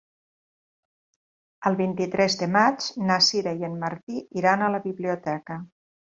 El vint-i-tres de maig na Sira i en Martí iran a la biblioteca.